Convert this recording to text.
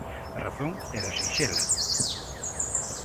A razón era sinxela.